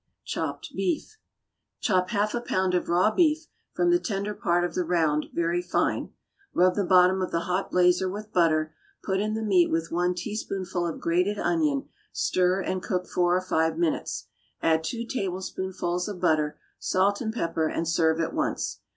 =Chopped Beef.= Chop half a pound of raw beef, from the tender part of the round, very fine. Rub the bottom of the hot blazer with butter, put in the meat with one teaspoonful of grated onion, stir, and cook four or five minutes; add two tablespoonfuls of butter, salt and pepper, and serve at once.